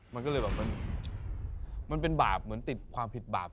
มันก็เลยแบบมันเป็นบาปเหมือนติดความผิดบาป